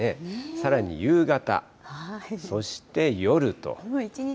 さらに夕方、そして夜と。